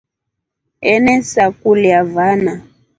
Enesakulya vana.